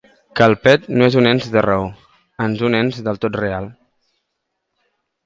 Que el pet no és ens de raó, ans un ens del tot real.